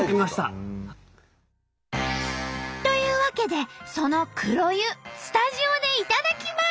というわけでその黒湯スタジオで頂きます！